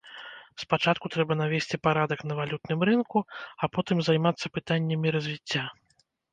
Спачатку трэба навесці парадак на валютным рынку, а потым займацца пытаннямі развіцця.